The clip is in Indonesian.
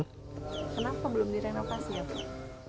kenapa belum direnovasi ya pak